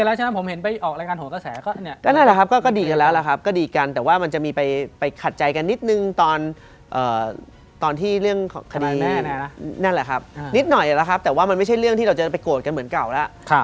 เรื่องของคดีนั่นแหละครับนิดหน่อยแหละครับแต่ว่ามันไม่ใช่เรื่องที่เราเจอไปโกรธกันเหมือนเก่าแล้ว